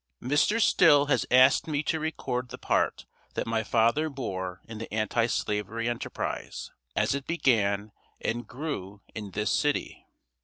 Mr. Still has asked me to record the part that my father bore in the Anti slavery enterprise, as it began and grew in this city.